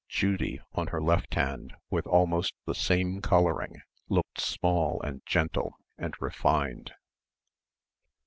Judy on her left hand with almost the same colouring looked small and gentle and refined.